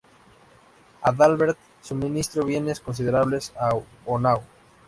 Adalbert suministró bienes considerables a Honau.